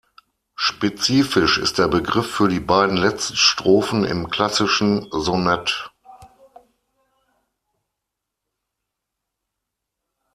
Spezifisch ist der Begriff für die beiden letzten Strophen im klassischen Sonett.